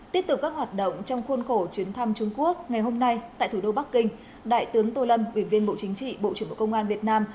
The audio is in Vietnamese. tiếp tục các hoạt động trong khuôn khổ chuyến thăm trung quốc ngày hôm nay tại thủ đô bắc kinh đại tướng tô lâm ủy viên bộ chính trị bộ trưởng bộ công an việt nam